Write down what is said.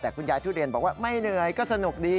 แต่คุณยายทุเรียนบอกว่าไม่เหนื่อยก็สนุกดี